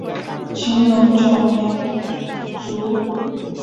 乾隆九年卒。